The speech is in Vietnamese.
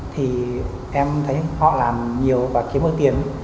thì em thấy họ làm nhiều và kiếm được tiền